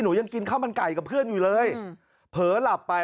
ยังกินข้าวมันไก่กับเพื่อนอยู่เลยเผลอหลับไป